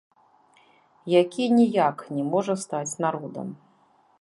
Які ніяк не можа стаць народам.